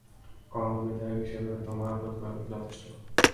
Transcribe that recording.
কর্মবিধায়ক হিসেবে তোমার প্রতিপালকই যথেষ্ট।